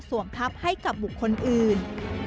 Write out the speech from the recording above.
ทัพให้กับบุคคลอื่น